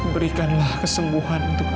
berikanlah kesembuhan untuk aida